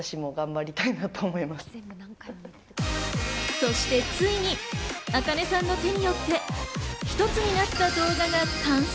そしてついにａｋａｎｅさんの手によってひとつになった動画が完成。